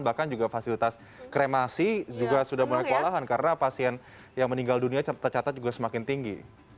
bahkan juga fasilitas kremasi juga sudah mulai kewalahan karena pasien yang meninggal dunia tercatat juga semakin tinggi